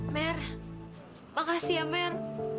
mer makasih ya mer